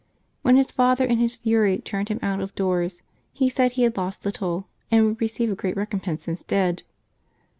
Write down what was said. When his father in his fury turned him out of doors, he said he had lost little, and would receive a great recom pense instead.